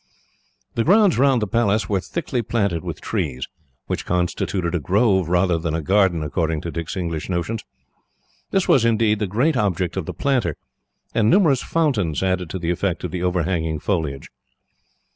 The grounds round the palace were thickly planted with trees, which constituted a grove rather than a garden, according to Dick's English notions. This was, indeed, the great object of the planter, and numerous fountains added to the effect of the overhanging foliage.